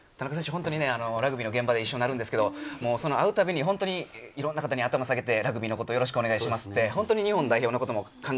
田中選手、ラグビーの現場で一緒になるんですけれど、会うたびにいろんな方に頭を下げて、ラグビーのことをよろしくお願いしますって、本当日本代表のことを考え